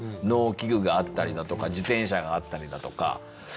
農機具があったりだとか自転車があったりだとか。